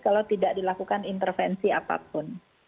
kalau tidak dilakukan intervensi apapun